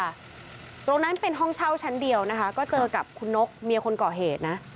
ตรงนั้นเป็นห้องเช่าชั้นเดียวนะคะก็เจอกับคุณนกเมียคนก่อเหตุนะ